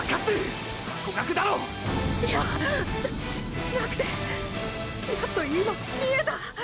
いやじゃなくてチラッと今見えた。